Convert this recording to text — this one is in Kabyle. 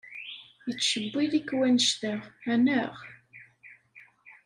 Yettcewwil-ik wannect-a, anaɣ?